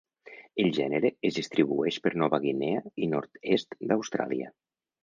El gènere es distribueix per Nova Guinea i nord-est d'Austràlia.